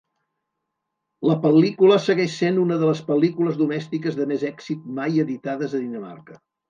La pel·lícula segueix sent una de les pel·lícules domèstiques de més èxit mai editades a Dinamarca.